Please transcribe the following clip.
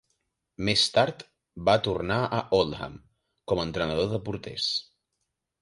Més tard va tornar a Oldham com entrenador de porters.